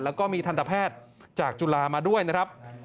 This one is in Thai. แล้วก็มีทันตแพทย์จากจุฬามาด้วยนะครับ